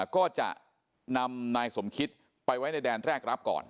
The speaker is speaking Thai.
ก็จะนำนายสมคิตไปไว้ในแดนแรกรับก่อน